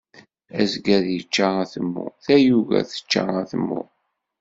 Azger ičča atemmu, tayuga tečča atemmu.